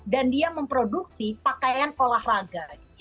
dan dia memproduksi pakaian olahraga